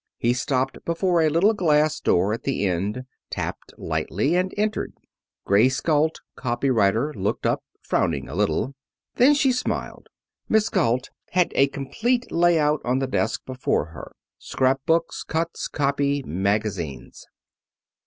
He stopped before a little glass door at the end, tapped lightly, and entered. Grace Galt, copy writer, looked up, frowning a little. Then she smiled. Miss Galt had a complete layout on the desk before her scrap books, cuts, copy, magazines.